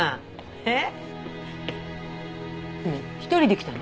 えっ？